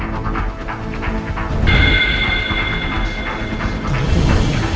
bawa disini ya